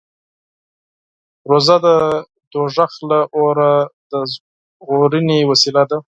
روژه د دوزخ له اوره د ژغورنې وسیله ده.